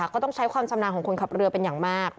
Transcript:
ก็ต้องใช้ความชำนาญของคนขับเรือเป็นอย่างมาก